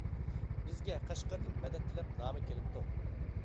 بىزگە قەشقەردىن مەدەت تىلەپ نامە كېلىپتۇ.